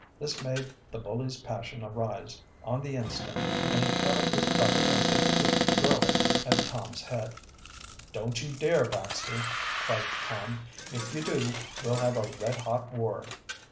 This made the bully's passion arise on the instant and he caught up his bucket as if to throw it at Tom's head. "Don't you dare, Baxter!" cried Tom. "If you do we'll have a red hot war."